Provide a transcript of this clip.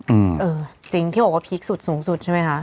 อืมเออสิ่งที่บอกว่าพีคสุดสูงสุดใช่ไหมคะ